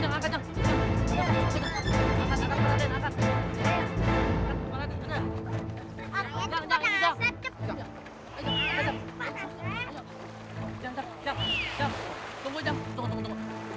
jangan jangan jangan tunggu jangan tunggu tunggu tunggu